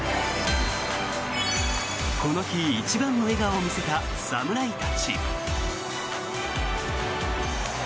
この日一番の笑顔を見せた侍たち。